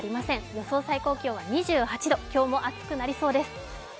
予想最高気温は２８度、今日も暑くなりそうです。